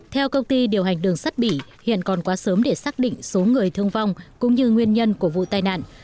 theo công ty điều hành đường sắt bỉ hiện còn quá sớm để xác định số người thương vong cũng như nguyên nhân của vụ tai nạn